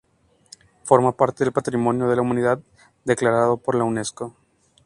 Forma parte del Patrimonio de la Humanidad declarado por la Unesco.